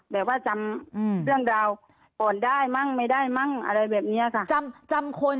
แบบว่าจำเรื่องเราป่อนได้มั่งไม่ได้มั่งอะไรแบบเนี่ยค่ะ